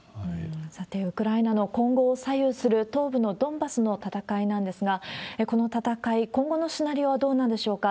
さて、ウクライナの今後を左右する東部のドンバスの戦いなんですが、この戦い、今後のシナリオはどうなんでしょうか？